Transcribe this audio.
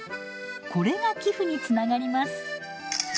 これが寄付につながります。